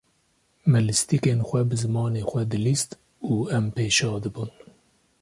Me lîstîkên xwe bi zimanê xwe dilîst û em pê şa dibûn.